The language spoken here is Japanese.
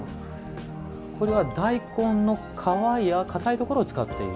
これは、大根の皮や硬いところを使っている。